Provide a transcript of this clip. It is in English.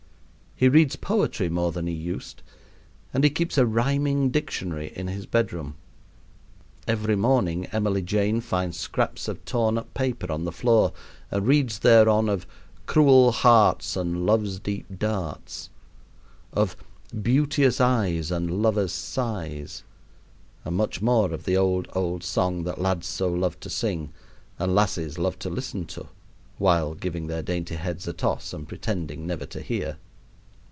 He reads poetry more than he used, and he keeps a rhyming dictionary in his bedroom. Every morning Emily Jane finds scraps of torn up paper on the floor and reads thereon of "cruel hearts and love's deep darts," of "beauteous eyes and lovers' sighs," and much more of the old, old song that lads so love to sing and lassies love to listen to while giving their dainty heads a toss and pretending never to hear.